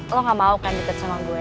lo gak mau kan deket sama gue